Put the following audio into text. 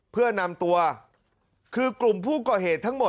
เพื่อนำตัวคือกลุ่มผู้ก่อเหตุทั้งหมด